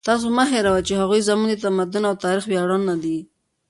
تاسو مه هېروئ چې هغوی زموږ د تمدن او تاریخ ویاړونه دي.